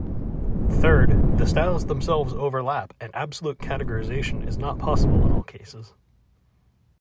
Third, the styles themselves overlap and absolute categorization is not possible in all cases.